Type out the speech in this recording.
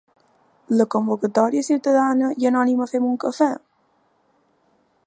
La convocatòria ciutadana i anònima Fem un cafè?